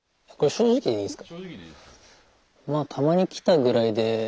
正直でいいです。